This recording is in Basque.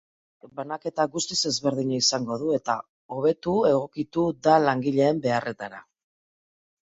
Sukaldeak banaketa guztiz ezberdina izango du eta hobeto egokituko da langileen beharretara.